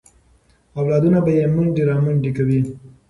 اولادونه به یې منډې رامنډې کوي.